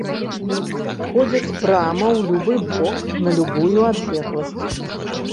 Ходзяць прама ў любы бок на любую адлегласць.